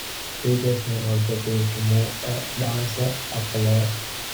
Teachers may also choose to move a dancer up a level.